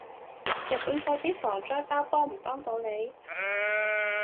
日本嗰啲防災包幫唔幫到你？